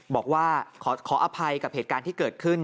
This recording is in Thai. บอกว่าขออภัยกับเหตุการณ์ที่เกิดขึ้น